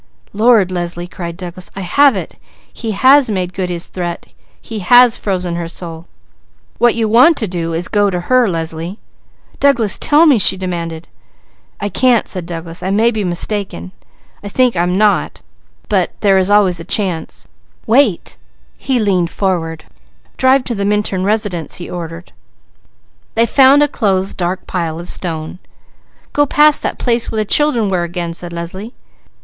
Lord, Leslie!" cried Douglas, "I have it! He has made good his threat. He has frozen her soul! What you want to do is to go to her, Leslie!" "Douglas, tell me!" she demanded. "I can't!" said Douglas. "I may be mistaken. I think I am not, but there is always a chance! Drive to the Minturn residence," he ordered. They found a closed dark pile of stone. "Go past that place where the children were again!" said Leslie.